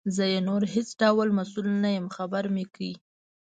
زه یې نور هیڅ ډول مسؤل نه یم خبر مي کړې.